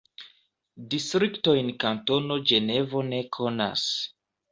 Distriktojn Kantono Ĝenevo ne konas.